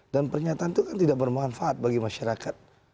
dan pernyataan itu kan tidak bermanfaat bagi masyarakat